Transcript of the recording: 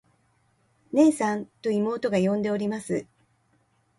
「ねえさん。」と妹が呼んでおります。